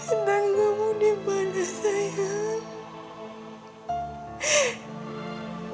intan kamu dibawa dah sayang